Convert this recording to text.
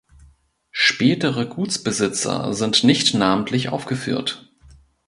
Spätere Gutsbesitzer sind nicht namentlich aufgeführt.